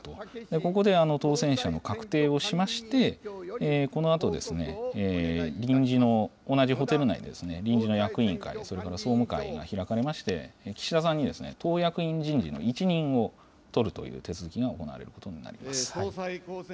ここで当選者の確定をしまして、このあと、臨時の、同じホテル内で、臨時の役員会、それから総務会が開かれまして、岸田さんに、党役員人事の一任を取るという手続きが行われることになります。